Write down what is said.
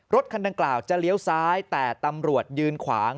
รถคันดังกล่าวจะเลี้ยวซ้ายแต่ตำรวจยืนขวาง